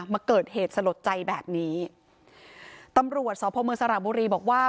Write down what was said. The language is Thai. มาเกิดเหตุสลดใจแบบนี้ตำรวจสพเมืองสระบุรีบอกว่า